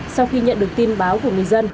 sau khi nhận được tin báo của người dân